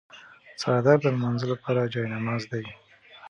څادر د لمانځه لپاره جای نماز دی.